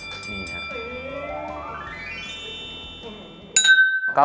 นี่ครับ